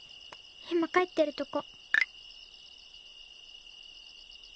「今帰ってるとこ」。